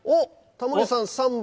タモリさん３番。